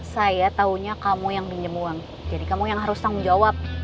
saya taunya kamu yang pinjam uang jadi kamu yang harus tanggung jawab